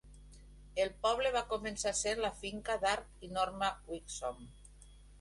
El poble va començar sent la finca d'Art i Norma Wixom.